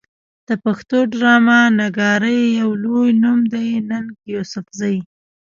د پښتو ډرامه نګارۍ يو لوئې نوم دی ننګ يوسفزۍ